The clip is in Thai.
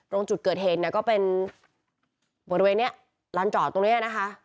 ตรงจุดเกิดเหตุเนี่ยก็เป็นบริเวณนี้ลานจอดตรงนี้นะคะ